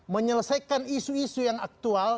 menyelesaikan isu isu yang aktual